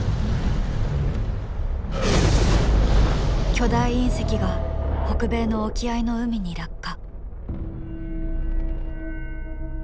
巨大隕石が北米の沖合の海に落下。